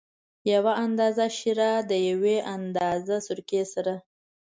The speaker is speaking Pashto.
یو اندازه شېره د یوې اندازه سرکې سره.